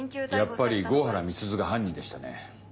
やっぱり郷原美鈴が犯人でしたね。